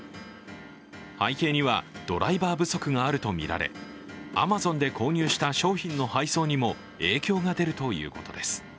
背景には、ドライバー不足があるとみられアマゾンで購入した商品の配送にも影響が出るということです。